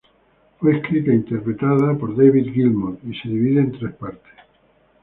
Fue escrita e interpretada por David Gilmour y se divide en tres partes.